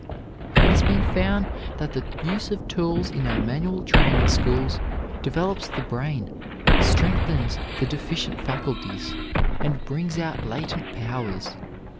It has been found that the use of tools in our manual training schools develops the brain, strengthens the deficient faculties and brings out latent powers.